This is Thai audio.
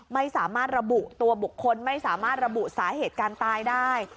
ไม่สามารถระบุตัวบุคคลไม่สามารถระบุสาเหตุการตายได้